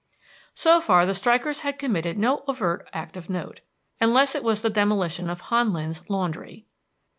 So far the strikers had committed no overt act of note, unless it was the demolition of Han Lin's laundry.